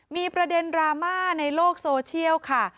มีประเด็นดราม่าในโลกโซเชียลค่ะ